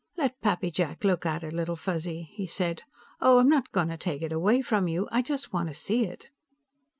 "Let Pappy Jack look at it, Little Fuzzy," he said. "Oh, I'm not going to take it away from you. I just want to see it."